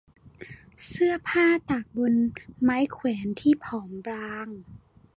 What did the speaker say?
เสื้อผ้าตากบนไม้แขวนที่ผอมบาง